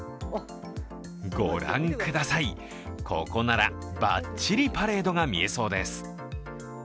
ご覧ください、ここならばっちりパレードが見えそうです。